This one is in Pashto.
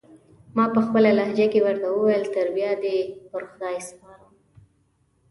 ما پخپله لهجه کې ورته وویل: تر بیا دې پر خدای سپارم.